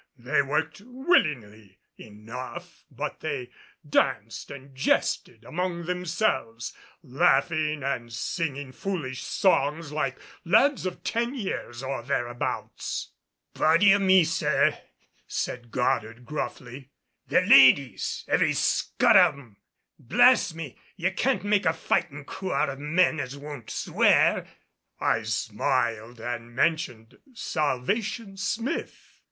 They worked willingly enough, but they danced and jested among themselves, laughing and singing foolish songs like lads of ten years or thereabouts. "Body o' me, sir," said Goddard gruffly, "they're ladies, every scut of 'em! Blast me, ye can't make a fightin' crew out of men as won't swear!" I smiled and mentioned Salvation Smith.